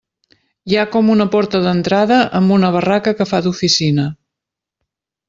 Hi ha com una porta d'entrada amb una barraca que fa d'oficina.